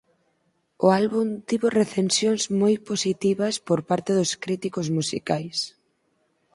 O álbum tivo recensións moi positivas por parte dos críticos musicais.